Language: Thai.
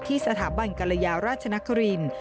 สถาบันกรยาราชนครินทร์